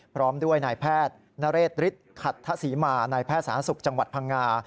พร้อมด้วยนายแพทย์นเรศฤทธิ์ขัดทะศรีมานายแพทย์สาธารณสุขจังหวัดพังงา